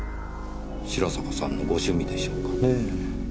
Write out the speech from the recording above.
白坂さんのご趣味でしょうかねぇ。